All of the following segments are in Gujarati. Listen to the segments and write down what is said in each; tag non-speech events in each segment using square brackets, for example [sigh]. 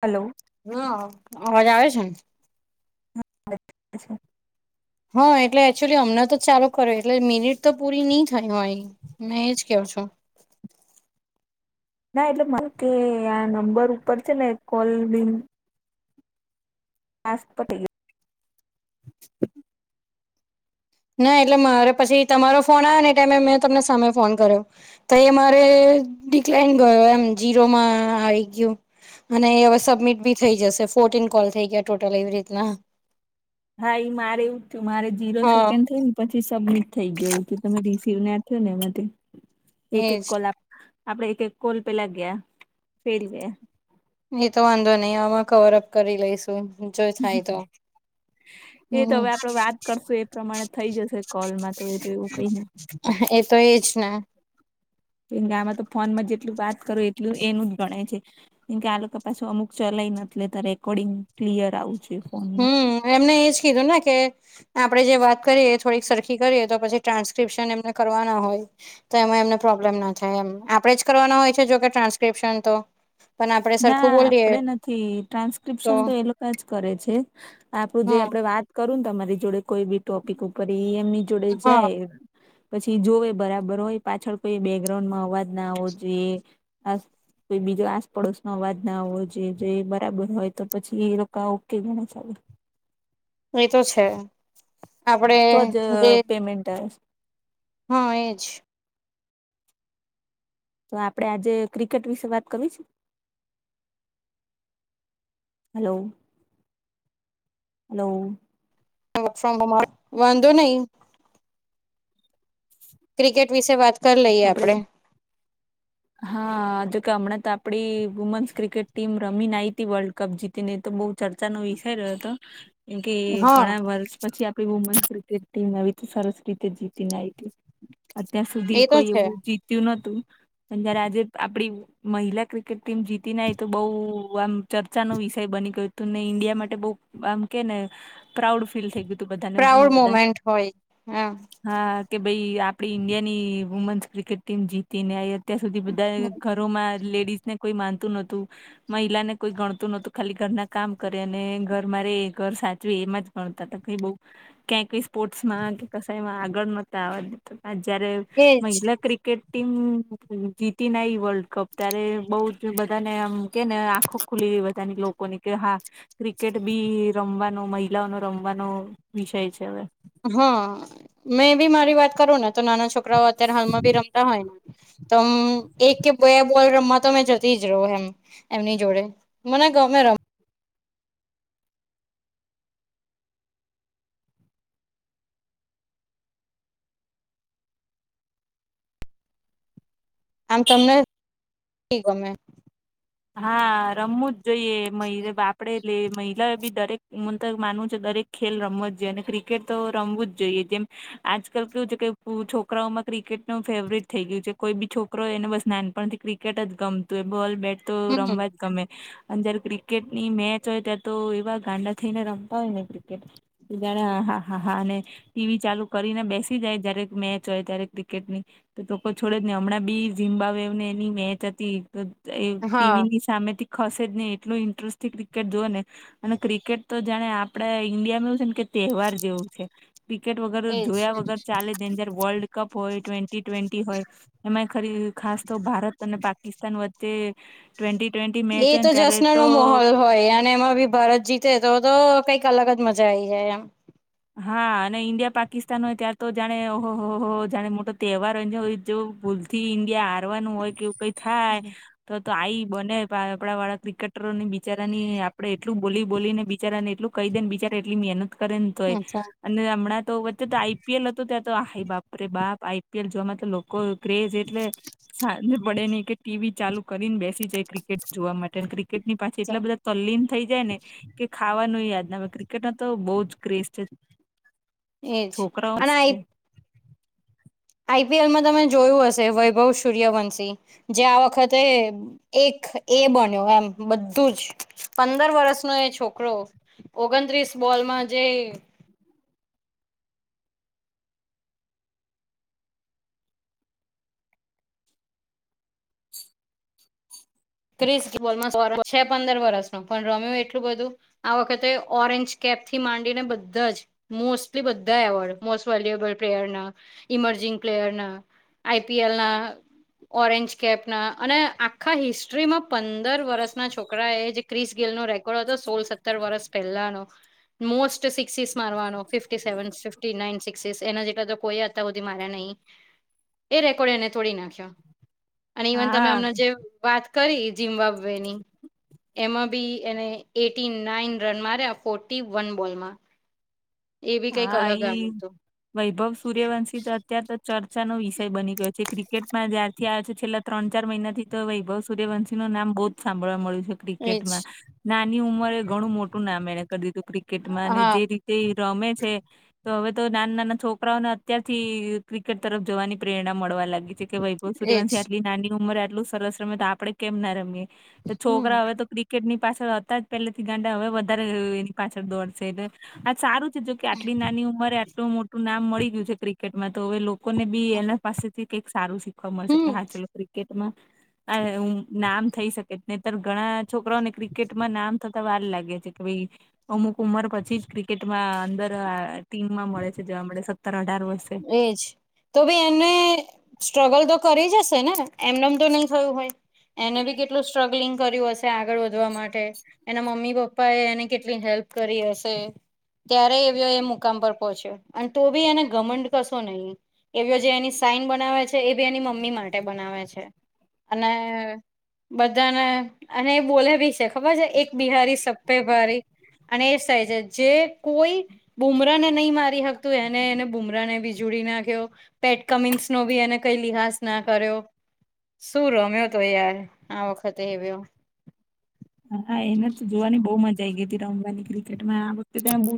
હલો. હા અવાજ આવે છે. અચ્છા. હા એટલે એકચુલી હમણાં તો ચાલુ કરે એટલે મિનિટ તો પૂરી નહી થય હોય મે ઈજ કેવ છું. ના એટલે મારે કે આ નંબર ઉપર છે ને કોલ બીન હા જ પતે ગયું. [inaudible] ના એટલે મારે પછી તમારો ફોન આવે એટલે મેં તમને સામે ફોન કર્યો. તો એ મારે ડિકલાઈન ગયો એમ મારે જીરોમાં આવી ગયું. અને એ હવે સબમિટ બી થઈ જશે ફોર્ટીન કોલ થઈ ગયા ટોટલ એવી રીતના. હા એ મારે એવું જ થયું મારે જીરો હા સેકન્ડ થઈને પછી સબમિટ થઈ ગયું તું તમે રી જીવને થયો ને એમાં એક એક એજ કલાક આપડે એક એક કોલ પેલા ગયા ફેલ ગયા. એતો વાંધો નહી આમાં કવર અપ કરી લઈશુ જો થાય તો. એ તો હમ હવે આપડે વાત કરશું એ પ્રમાણે થઈ જશે કોલમાં તો એ તો એવું કઈ ને. એ તો એજ ને. કેમ કે આમાં તો ફોન પરથી જેટલું વાત કરું એટલું એનું ગણાય છે. કેમ કે આ લોકો પાછું અમુક ચલાય નથી લેતા રેકોર્ડિંગ. ક્લીયર આવવું જોઈએ. હમ એમને એજ કીધું ને કે આપડે જે વાત કરીએ થોડીક સરખી કરીએ તો પછી ટ્રાન્સ્ક્રિપ્શન એમને કરવાના હોય તો એમાં એમને પ્રોબ્લેમ ના થાય એમ આપણેે જ કરવાના હોય છે જોકે ટ્રાન્સક્રિપ્શન તો. પણ આપણે ના સરખું બોલીએ આપણે નથી ટ્રાન્સક્રિપ્શન તો લોકો જ કરે છે આપડું જે આપડે હમ વાત કરું ને તમારી જોડે કોઈ બી ટોપિક ઉપર એ એમની જોડે હા જાય પછી જોવે બરાબર હોય પાછળ કોઈ બેકગ્રાઉન્ડમાં અવાજ ના આવો જોઈએ અસ કોઈ બીજો પડોશનો અવાજ ના હોવો જે જે બરાબર હોય તો પછી એ લોકો ઓકે ગણતા હોય. એતો છે આપડે જે મન્ટ [inaudible] હા એજ. તો આપડે આજે ક્રિકેટ વિશે વાત કરીવી છે. Hello hello. Work from home વાંધો નહીઈ, ક્રિકેટ વિશે વાત કરી લઈએ આપડે આપણેે હા જોકે હમણાં તો આપડી વુમન્સ ક્રિકેટ ટીમ રમીને આવી વર્લ્ડ કપ જીતીને તો બહુ ચર્ચાનો વિષય રહ્યો હતો કેમ કે હા ઘણા વર્ષ પછી આપણી વુમન ક્રિકેટ ટીમ વી તો સરસ રીતે જીતીને આવી હતી અત્યાર સુધી એ તો કોઈ છે એવું જીત્યું નતું અને જયારે આજે આપડી મહિલા ક્રિકેટ ટીમ જીતી ના તો બઉ આમ ચર્ચાનો વિષય બની ગયો હતો, ને ઈન્ડિયા માટે બહુ આમ કે ને પ્રાઉડ ફીલ થઈ ગય. પ્રાઉડ મુમેન્ટ હોય હમ. હા કે ભાઈ આપડી ઈન્ડિયા ની વુમેન્સ ક્રિકેટ જીતીને આવી. અત્યાર સુધી બધાને ઘરમાં લેડીઝ ને કોઈ માનતું નોતું મહિલાને કોઈ ગણતું નહતું ખાલી ઘરના કામ કરે ઘર રે એ ઘર સાચવે એમાં જ મળતા હતા કઈ બઉ ક્યાં કઈ સ્પોર્ટ્સમાં કે કમાં આગળ નતાવા જયારે એજ મહિલા ક્રિકેટ ટીમ જીતી ન આઈ વર્લ્ડ કપ ત્યારે બઉ જ બધાને આમ કેને આખો ખુલી બધાની લોકોની કે હા ક્રિકેટ બી રમવાનો મહિલાઓનો રમવાનો વિષય છે હવે હા મેં બી મારી વાત કરું ને તો નાના છોકરાઓ અત્યારે હાલમાં ભી રમતા હોય ને તો મુ એક કે બે બોલ રમવા તો મેં જતી જ રહું એમ. એમની જોડે મને ગમે રમ આમ તમને [unintelligible] ગમે હા રમવું જ જોઈએ મહિ આપડે લે મહિલા બી દરેક હું તો માનું છુ દરેક ખેલ રમવો જ જોઈએ અને ક્રિકેટ તો રમવું જ જોઈએ જેમ આજકાલ કેવું છે કે છોકરાઓમાં ક્રિકેટનું ફેવરેટ થઇ ગયું છે કોઈ બી છોકરો એને બસ નાનપણથી ક્રિક ક્રિકેટ જ ગમતું એ બોલ બેટ તો હમ રમવા જ ગમે અન જ્યારે ક્રિક ક્રિકેટની મેચ હોય ત્યાં તો એવા ગાંડા થઈને રમતા હોય ને ક્રિકેટ જાણે હા હા હા અને. ટીવી ચાલુ કરીને બેસી જાય જ્યારે મેચ હોય ત્યારે ક્રિકેટની તો લોકો છોડે જ નહી હમણાં બી ઝિમ્બાબ્વેની મેચ હતી. તો એ હા ટીવી સામેથી ખસે જ નહી. એટલો ઇન્ટરેસ્ટથી ક્રિકેટ જુએ ને અને ક્રિકેટ તો જાણે આપડે ઈન્ડિયાનું [unintelligible] તહેવાર જેવું છે. ટિકેટ વગર એજ જોયા વગર ચાલે [unintelligible] વર્લ્ડ કપ હોય ટ્વેન્ટી ટ્વેન્ટી હોય. એમાંય ખરી ખાસ તો ભારત અને પાકિસ્તાન વચ્ચે ટ્વેન્ટી ટ્વેન્ટી મેચ એ હોય તો ને ત્યારે તો જશ્નનો મોહોલ હોય અને એમાં ભી ભારત જીતે તો તો કંઈક અલગ જ મજા આવી જાય એમ. હા અને ઈન્ડિયા પાકિસ્તાન હોય, ત્યાર તો જાણે ઓ હો હો જાણે મોટો તહેવાર હો હોય જેવુ [unintelligible] થી ઈન્ડિયા હારવાનું હોય કે એવું કંઈ થાય. એમ તો તો આઈ બને આપડા વાળા ક્રિકેટરોને બિચારાની આપણેે એટલું બોલી બોલીને બિચારાને એટલું કહી દેને બિચાર એટલી મહેનત કરે ન અચ્છા અને હમણાં તો વચ્ચે તો આઈપીએલ હતું ત્યાં તો, હાય બાપ રે બાપ આઈપીએલ જોવામાં તો લોકો ક્રેઝ એટલે સાંજ પડે ને કે ટીવી ચાલુ કરીને બેસી જઈએ ક્રિકેટ જોવા માટે. ક્રિ કેટની પાછળ અચ્છા એટલા બધા તલ્લીન થઈ જાયને કે ખાવાનું યાદ ના આવે ક્રિકેટમાં તો બઉ જ ક્રેઝ છે. એ જ છોકરાઓ અન આ છે આઈપીએલમાં તમે જોયું હશે, વૈભવ સૂર્યવંશી જે આ વખતે એક એ બન્યો એમ બધું જ પંદર વર્ષનો એ છોકરો ઓગણત્રીસ બોલમાં જે ક્રિશ બોલમાં છે પંદર વરસનો પણ રમ્યો એટલું બધું આ વખતે ઓરેન્જ કેપથી માંડીને બધા જ મોસ્ટલી બધા એવોર્ડ મોસ્ટ વલ્યુએબલ પ્લેયરના, ઇમર્જિંગ પ્લેયરના આઈપીએલના ઓરેન્જ કેપના અને આખા હિસ્ટ [unintelligible] માં પંદર વર્ષના છોકરા એ જે ક્રિશ ગેલનો રેકોર્ડ હતો સોલ સત્તર વરસ પહેલાનો મોસ્ટ સિક્સીસ મારવાનો fifty seven fifty nine sixes એના જેટલા તો કોઈએ અતાર હુધીમાં હે નહીં એ રેકોર્ડ એને તોડી નાખ્યો. અને ઈવન તમે હા હમણાં જે વાત કરી જિમ્બાબવેની એમાં બી એને એટી નાઈન રન માર્યા ફોર્ટી વન બોલમાં. એ બી કઈક હા અલગ એ આવ્યું હતું વૈભવ સૂર્યવંશીતો અત્યારેતો ચર્ચાનો વિષય બની ગયો છે. ક્રિકેટમાં જ્યારથી આયો છેલ્લા ત્રણ ચાર મહિનાથી તો વૈભવ સૂર્યવંશીનું નામ બહુ જ સાંભળવા મળ્યું છે. એજ ક્રિકેટમાં નાની ઉંમરે ઘણું મોટું નામ એને કરી દીધું. ક્રિકેટમાં અને હા જે રી તે રમે છ તો હવે તો નાના નાના છોકરાઓને અત્યારથી ક્રિકેટ તરફ જવાની પ્રેરણા મળવા લાગ કે છ વૈભવ એજ સૂર્યવંશિ આટલી નાની ઉંમર આટલૂ સરસ રમે તો આપડણે કેમ ના રમીએ તે હમ છોકરા હવે તો કિ કેટ ની પાછળ હતા જ પેહલે થી ગાંડા હવે વધારે એની પાછળ દોડશે એટલે આ સારું છે. જોકે આટલી નાની ઉંમરે આટલું મોટું નામ મળી ગયું છે. ક્રિકેટ એમાં તો હવે લોકોને બી એના પાસેથી કઈક સારું શીખવા મળશે હમ કે હા ચાલો ક્રિકેટમાં આ અ નામ થઈ શકે ન ત્યારે ઘણા છોકરાઓને ક્રિકેટમાં નામ થતા વાર લાગે છે, કે ભાઈ અમુક ઉંમર પછી જ ક્રિકેટમાં અંદર અ આ ટીમમાં મળે છે જવા માટે સત્તર અઢાર વર્ષે. એજ તો બી એમને સ્ટ્રગલ તો કરીજ હશે ને એમનેમ તો નહી થયું હોય. એને બી કેટલું સ્ટ્રગલિંગ કર્યુ હશે તૈ આગળ વધવા માટે એના મમ્મી પપ્પા એ એને કેટલી હેલ્પ કરી હશે. ત્યારે એવ્યો એ મુકામ પર પહોંચ્યો અને તોભી એને ઘમંડ કશો નહી એવ્યો જે એની સાઈન બનાવે છે એબી એની મમ્મી માટે બનાવે છે. અને બધાને અને એ બોલેભી છે ખબર છે, એક બિહારી સબ પે ભારી અને એ જ થાય છે જે કોઈ બૂમરા ને નહી મારી શકતું એને એને બૂમરા ને જોડી નાખ્યો. પેટ કમિન્સનો બી એને કઈ લિહાસ ના કર્યો. શું રમ્યો હતો યાર આ વખતે એવ્યો હા એને જ જોવાની બહુ મજા આવી ગઈ હતી રમવાની કિ કેટમાં આ વખતે ત્યાં બહુ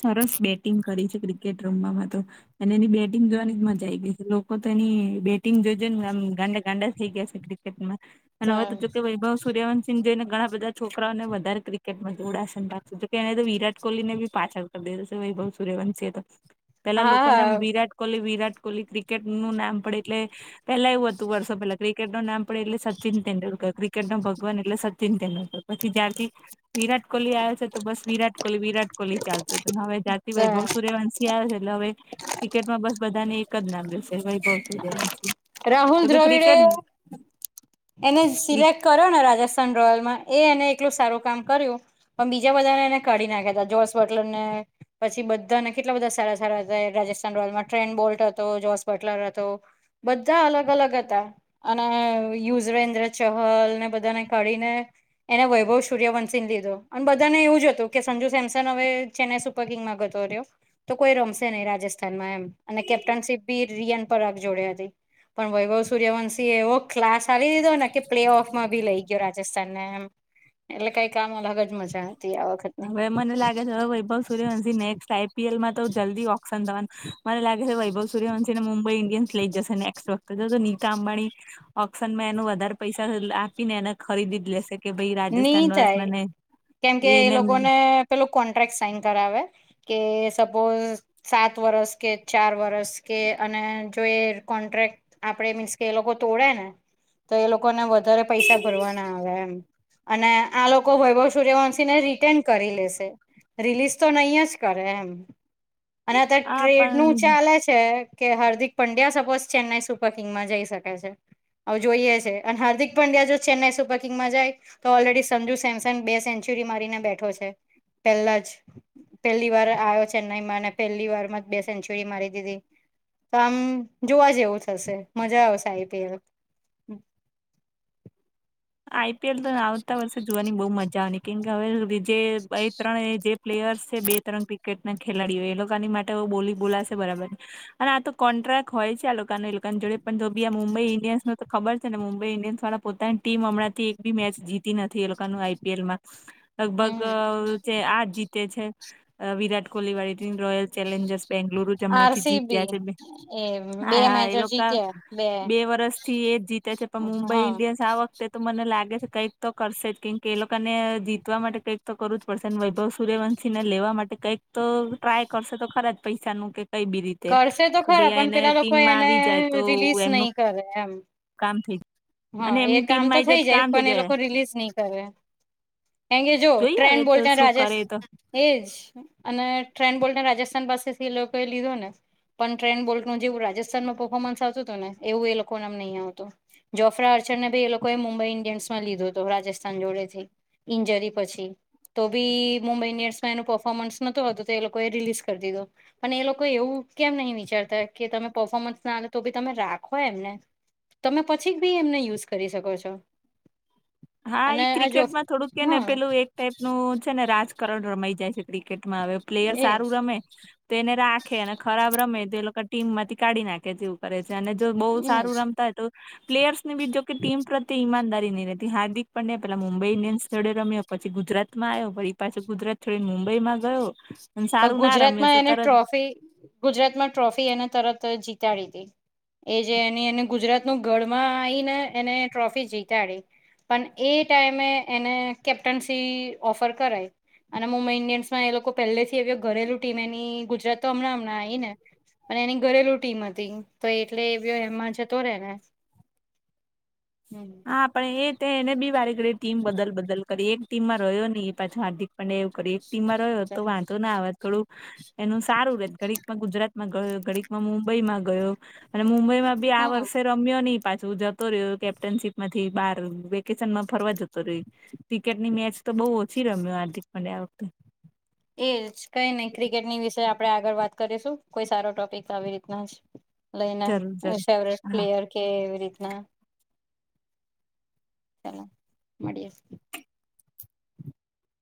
સરસ બેટિંગ કરી છે ક્રિકેટ રમવામાં તો અને એની બેટિંગ જોવાની જ મજા આ આવી ગઈ છે લોકો તો એની બેટિંગ જોઈ જોઈને ગાંડા ગાંડા થઈ ગયા છે. ક્રિકેટમાં, અને હવે હા તો જો કે વૈભવ સૂર્યવંતસિં જોઈને ઘણા બધા છોકરાઓ ને વધારે ક્રિકેટમાં જોડાસે ન પાગશે જોકે એને તો વિરાટ કોહલી ને બી પાછાળ બેશે વૈભવ સૂર્યવંશી એ તો પહેલા લોકો નેમ હા વિરાટ કોહલી વિરાટ કોહલી ક્રિકેટ નું નામ પડે એટલે પેહલા એવું હતું વર્ષો પેહલા ક્રિકેટો નું નામ પડે એટલે સચિન તેંડુલકર ક્રિકેટ નો ભગવાન એટલે સચિન તેંદુલકર પછી જ્યારથી વિરાટ કોહલી આયો છે તો બસ વિરાટ કોહલી વિરાટ કોહલી ચાલતું, હવે જયારતી વૈભવ સૂર્ય વંશી આયો હ એટલે હવે ક્રિકેટમાં બસ બધાને એક જ નામ વૈભવ સૂર્યવંશી, તો રાહુલ ક દ્રવિડે ક્રિકેટ એને સિલેક્ટ કર્યોને રાજસ્થાન રોયલમાં એ એને એકલું સારું કામ કર્યું પણ બીજા બધાને એને કાઢી નાખ્યા હતા જોસ બટલરને પછી બધાને કેટલા બધા સારા સારા હતા રાજસ્થાન રોયલમાં ટ્રેન બોલ્ટ હતો, જોસ બટલર હત તો બધા અલગ અલગ હતા. અને યુજવેન્દ્ર ચહલ ને બધાને કાઢીને એને વૈભવ સૂર્યવંશી ને દીધો અને બધાને એવું જ હતું કે સંજુ સેમસન હવે છેને [unintelligible] જતો રહ્યો તો કોઈ રમશે નહી રાજસ્થાન માં એમ, અને કેપ્ટનશીપ બી રિ પરાક જોડ્યા હતી, પણ વૈભવ સૂર્યવંશિ એવો કલાસ આલી દીધો ને કે પ્લેઓફમાં ભી લઈ ગયો રાજસ્થાનને એમ એટલે કંઈક આમ અલગ જ મજા હતી આ વખતે હવે મને લાગે છે હવે વૈભવ સૂર્યવંશી નેક્સ્ટ આઈપીએલમાં તો જલ્દી ઓપ્શન થવાનું મને લાગે છે વૈભવ સૂરવંશ ને મુંબઈ ઇન્ડિયન્સ લઈ જશે નેક્સ વખતે જ તો નીતા આંબાણી ઓક્શનમાં એનું વધારે પૈસા આપીને એને ખરીદી જ લેશે કે ભાઈ ની રાજસ્થાન રોયલ્સ મને એને ને પેલું કોન્ટ્રાક્ટ સાઈન કરાવે કે સપોઝ સાત વર્ષ કે ચાર વર્ષ કે અને જો એ કોન્ટ્રાક્ટ આપણે મીન્સ કે એ લોકો તોડેને તો એ લોકોને વધારે પૈસા ભરવાના આવે એમ. અને આ લોકો વૈભવ સૂર્યવંશીને રિટર્ન કરી લેશે. રિલીઝ તો નહી એ જ કરે એમ. અને અત્યારે આ પણ ટ્રેડનું ચાલે છે કે હાર્દિક પંડ્યા સપોઝ ચેન્નાઈ સુપર કિંગમાં જઈ શકે છે. અવે જોઈએ છે અને હાર્દિક પંડ્યા જો ચેન્નાઈ સુપર કિંગમાં જાય તો ઓલરેડી સંજુ સેમસન બે સેન્ચુરી મારીને બેઠો છે, પહેલા જ. પહેલી વાર આવ્યો ચેન્નાઈમાં અને પહેલી વારમાં જ બે સેન્ચુરી મારી દીધી. તો આમ જોવા જેવું થશે મજા આવશે I. P. L. I. PL. તો આવતા વર્ષે જોવાની બહુ મજા આવવાની કેમકે હવે જે બે ત્રણ જે પ્લેયર્સ છે. બે ત્રણ ક્રિકેટના ખેલાડીઓ એ લોકોની માટે તો બોલી બોલાશે બરાબર. અને આ તો કોન્ટ્રાક્ટ હોય છે આ લોકોને એ લોકા ની જોડે પણ તો પણ આ મુંબઈ ઇન્ડિયન્સ ને તો ખબર છે ને મુંબઈ ઇન્ડિયન્સ પોતાની ટીમ હમણાં થી એક પણ મેચ જીતી નથી એ લોકોનું આઈ. પી. એલ. માં લગભગ હમ જે આ જીતે છે, વિરાટ કોહલી વાળી રોયલ ચેલેન્જર્સ બેન્ગલુરું જ હમણાંથી જીત્યા આરસીબી છે બે એ બે હા, એ મેચો લોકા જીત્યા બે વર્ષથી એ જીતે છે, પણ મુંબઈ હા ઇન્ડિયસ આવ તે તો મને લાગે છે કંઈક તો કરશે જ કેમકે એ લોકોને જીતવા માટે કંઈક તો કરવુ જ પડશે ને વૈભવ સૂર્યવંશી ને લેવા માટે કંઈક તો ટ્રાય કરશે તો ખરા જ પૈસાનું કે કઈ પણ રીતે કરશે તો ખરા ભાઈ પણ એને પેલા લોકો ટીમમાં એને આવી જાય તો રિલીઝ એમનું નહી કરે એમ કામ થઈ જાય. અને હા, એ એમની કામ તો ટીમમાં આવી થઈ જાય કામ પણ એ લોકો રિલિઝ નહી કરે કારણ કે જો જોઈએ હવે ટ્રેન્ટ તો બોલ્ટના શું રાજેશ કરે તો એજ અને ટ્રેન્ટ બોલ્ટને રાજસ્થાન પાસેથી એ લોકો એ લીધો ને. પણ ટ્રેન્ટ બોલ્ટ નું જેવું રાજસ્થાનમાં પર્ફોર્મન્સ આવતું હતું ને એવું એ લોકો માં નહીં આવતું. જોફ્રા આર્ચરને પણ એ લોકોએ મુંબઈ ઈન્ડિયન્સમાં લીધો તો રાજસ્થાન જોડે થી ઇન્જરી પછી તો પણ મુંબઈ ઈન્ડિયન્સમાં એનું પર્ફોર્મન્સ ન હતું, તો એ લોકોએ રિલીઝ કરી દીધુ. અને એ લોકો એવું કેમ નહીં વિચારતા કે તમે પર્ફોર્મન્સ ના આવે તો પણ તમે રાખો એમને તમે પછી પણ એમને યુઝ કરી શકો છો. હા, અને એ આ જો ક્રિકેટમાં થોડુંક છે ને હા પેલું એક ટાઈપનું છે ને રાજકારણ રમાય જાય છે. ક્રિકેટમાં હવે પ્લેયર એજ સારું રમે તો એને રાખે અને ખરાબ રમે તો એ લોકો ટીમમાંથી કાઢી નાખે તેવું. કરે છે અને જો બહુ હમ સારું રમતા હોય તો પ્લેયર્સ ની પણ જોકે ટીમ પ્રત્યે ઈમાનદારી ની રહે. હાર્દિક પંડ્યા પહેલા મુંબઈ ઈન્ડિયન્સ જોડે રમ્યો પછી ગુજરાતમાં આવ્યો પાછો ગુજરાત થથી મુંબઈમાં ગયો અને પણ સારું ના રમ્યો ગુજરાતમાં તો એને તરત ટ્રોફી ગુજરાત માં ટ્રોફી એના તરત જીતાડી હતી. એ જે એની એને ગુજરાતનું ઘડમાં આવીને એને ટ્રોફી જીતાડી. પણ એ ટાઈમે એને કેપ્ટનસી ઓફર કરાઈ અને મુંબઈ ઈન્ડિયન્સ માં એ લોકો પહેલે થી એ ઘરેલું ટીમ એની ગુજરાત તો હમણાં હમણાં આવી ને અને એની ઘરેલુ ટીમ હતી તો એટલે એવિયો એમાં જતો રે ને હમ હા પણ એ તેને બી વારે ઘડીએ ટીમ બદલ બદલ કરી એક ટીમ માં રહ્યો નહી એ પાછો હાર્દિક પણ એવું કર્યું એક ટીમમાં રહ્યો તો વાંધો ના આવત થોડુંક એનું સારું રેત ઘડીકમાં ગુજરાતમાં ગયો ઘડીકમાં મુંબઈમાં ગયો અને મુંબઈ [unintelligible] ઈમાં બી આ હા વર્ષે રમ્યો નહી પાછું જતો રહ્યો કેપ્ટનશીપ માંથી બાર વેકેશન માં ફરવા જતો કરવી, ક્રિકેટ ની મેચ તો બોવ ઓછી રમ્યો હાર્દિક પંડ્યા આ વખતે એજ, કઈ નઈ ક્રિકેટની વિશે આપણે આગળ વાત કરીશું કોઈ સારો ટોપિક આવી રીતના જ લયના જરૂર જરૂર ફેવરટે હા પ્લેયર કે એવી રીતના ચલો મળીએ